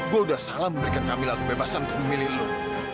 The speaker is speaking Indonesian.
gua udah salah memberikan camilla kebebasan untuk memilih lo